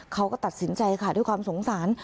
เขาก็ตัดสินใจค่ะด้วยความสงสาร